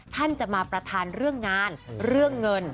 ท่านจะมาประธานเรื่องงานเรื่องเงิน